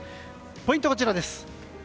ポイントはこちらです。